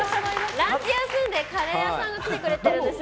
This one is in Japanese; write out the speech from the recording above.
ランチを休んでカレー屋さんが来てくれてるんですよ。